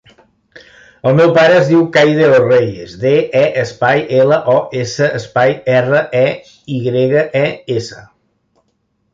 El meu pare es diu Kai De Los Reyes: de, e, espai, ela, o, essa, espai, erra, e, i grega, e, essa.